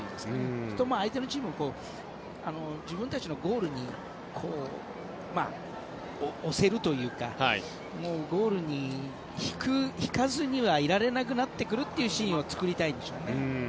そうすると相手のチームも自分たちのゴールに押せるというかゴールに引かずにはいられなくなってくるというシーンを作りたいんでしょうね。